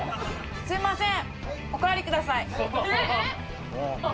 すいません。